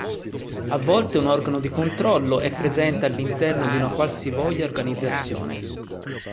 A volte un organo di controllo è presente all'interno di una qualsivoglia organizzazione.